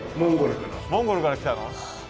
モンゴルから来たの？